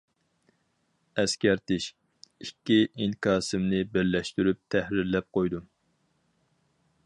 ئەسكەرتىش : ئىككى ئىنكاسىمنى بىرلەشتۈرۈپ تەھرىرلەپ قويدۇم.